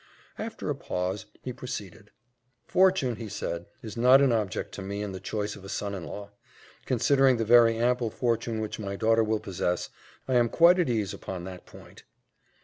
After a pause, he proceeded. "Fortune," said he, "is not an object to me in the choice of a son in law: considering the very ample fortune which my daughter will possess, I am quite at ease upon that point."